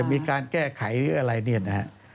จะมีการแก้ไขอะไรนี่นะครับ